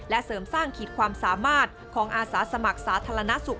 เสริมสร้างขีดความสามารถของอาสาสมัครสาธารณสุข